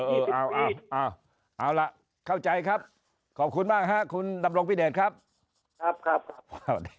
เอาเอาล่ะเข้าใจครับขอบคุณมากฮะคุณดำรงพิเดชครับครับ